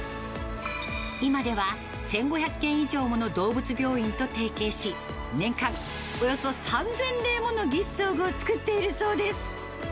今では、１５００軒以上もの動物病院と提携し、年間およそ３０００例もの義肢装具を作っているそうです。